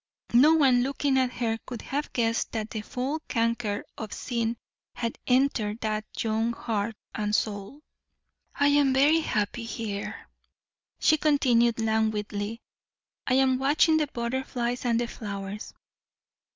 No one looking at her could have guessed that the foul canker of sin had entered that young heart and soul. "I am very happy here," she continued, languidly. "I am watching the butterflies and the flowers.